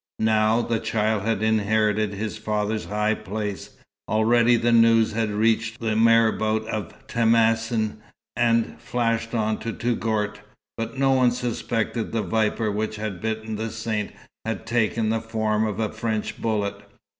Now, the child had inherited his father's high place. Already the news had reached the marabout of Temacin, and flashed on to Touggourt. But no one suspected that the viper which had bitten the Saint had taken the form of a French bullet.